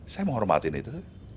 saya menghormatin itu